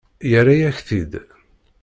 Yerra-yak-t-id.